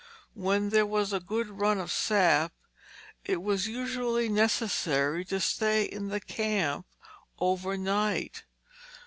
When there was a "good run of sap," it was usually necessary to stay in the camp over night.